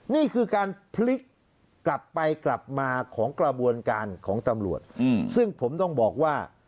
นี่คือการพลิกกลับไปกลับมาของกระบวนการของตำรวจซึ่งผมต้องบอกว่า